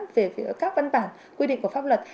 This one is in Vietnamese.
về các văn bản quy định của pháp luật